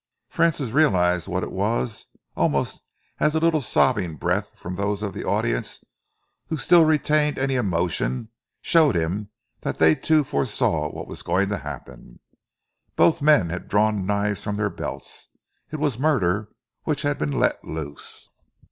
Francis realised what it was almost as the little sobbing breath from those of the audience who still retained any emotion, showed him that they, too, foresaw what was going to happen. Both men had drawn knives from their belts. It was murder which had been let loose.